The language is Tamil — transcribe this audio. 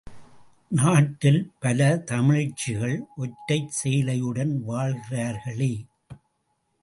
நாட்டில் பல தமிழச்சிகள் ஒற்றை சேலையுடன் வாழ்கிறார்களே!